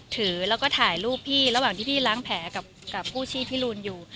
ถือแล้วก็ถ่ายรูปพี่ระหว่างที่พี่ล้างแผลกับกู้ชีพพี่รูนอยู่